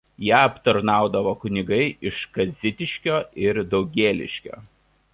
Ją aptarnaudavo kunigai iš Kazitiškio ir Daugėliškio.